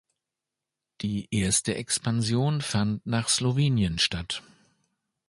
Die erste Expansion fand nach Slowenien statt.